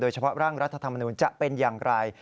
เฉพาะร่างรัฐธรรมนูญจะเป็นอย่างไร